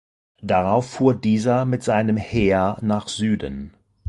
Darauf fuhr dieser mit seinem Heer nach Süden.